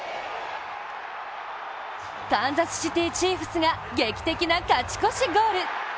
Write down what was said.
カンザスシティー・チーフス劇的な勝ち越しゴール。